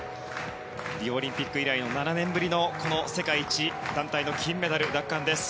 リオオリンピック以来の７年ぶりの世界一団体の金メダル奪還です。